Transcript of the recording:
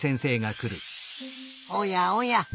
おやおや。